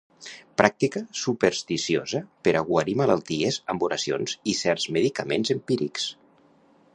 Pràctica supersticiosa per a guarir malalties amb oracions i certs medicaments empírics.